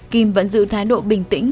kim vẫn giữ thái độ bình tĩnh